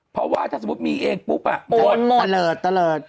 เพราะว่าถ้าสมมุติมีเองปุ๊บโอนหมด